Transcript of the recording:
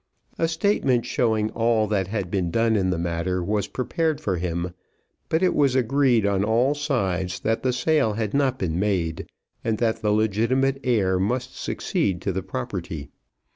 A statement showing all that had been done in the matter was prepared for him, but it was agreed on all sides that the sale had not been made, and that the legitimate heir must succeed to the property.